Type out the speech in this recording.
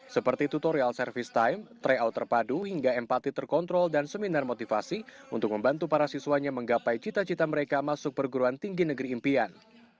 seperti tutorial service time tryout terpadu hingga empati terkontrol dan seminar motivasi untuk membantu para siswanya menggapai cita cita mereka masuk perguruan tinggi negeri impian